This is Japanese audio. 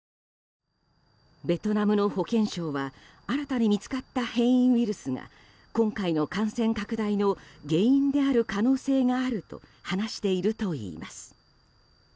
ベトナムの保健相は新たに見つかった変異ウイルスが今回の感染拡大の原因である可能性があると話しているといいます。